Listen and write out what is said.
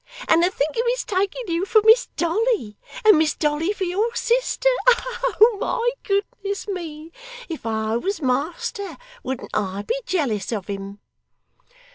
And to think of his taking you for Miss Dolly, and Miss Dolly for your sister Oh, my goodness me, if I was master wouldn't I be jealous of him!